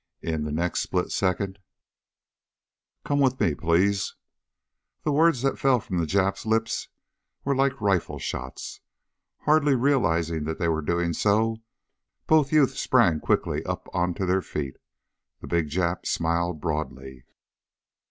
In the next split second "Come with me, please!" The words that fell from the Jap's lips were like rifle shots. Hardly realizing that they were doing so, both youths sprang quickly up onto their feet. The big Jap smiled broadly.